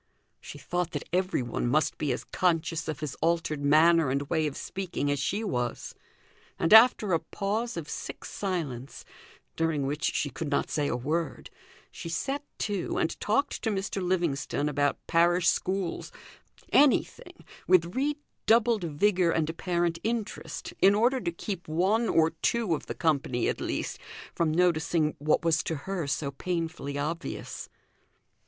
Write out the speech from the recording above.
She thought that everyone must be as conscious of his altered manner and way of speaking as she was, and after a pause of sick silence, during which she could not say a word, she set to and talked to Mr. Livingstone about parish schools, anything, with redoubled vigour and apparent interest, in order to keep one or two of the company, at least, from noticing what was to her so painfully obvious.